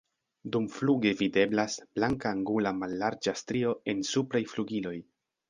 Dumfluge videblas blanka angula mallarĝa strio en supraj flugiloj.